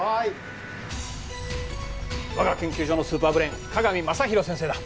我が研究所のスーパーブレーン加賀美雅弘先生だ。